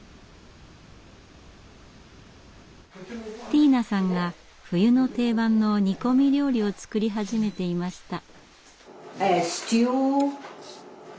ティーナさんが冬の定番の煮込み料理を作り始めていました。